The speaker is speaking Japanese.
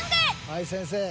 はい先生。